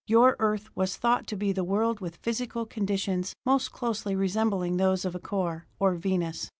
"Your Earth was thought to be the world with physical conditions most closely resembling those of Acor, or Venus.